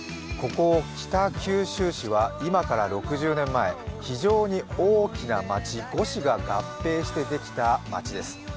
ここ北九州市は今から６０年前非常に大きな街、５市が合併してできた街です。